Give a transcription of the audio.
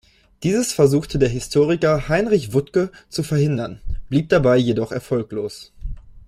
Dieses versuchte der Historiker Heinrich Wuttke zu verhindern, blieb dabei jedoch erfolglos.